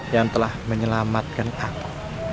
yang telah menyelamatkan aku